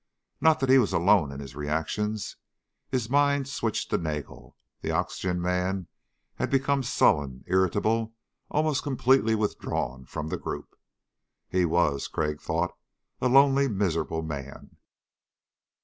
Not that he was alone in his reactions. His mind switched to Nagel. The oxygen man had become sullen, irritable, almost completely withdrawn from the group. He was, Crag thought, a lonely, miserable man.